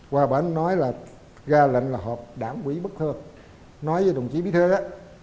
qua bển nói là ra lệnh là họp đảm quý bất thơ nói với đồng chí bí thơ á